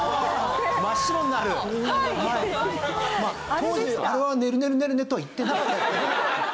当時あれはねるねるねるねとは言ってなかったです。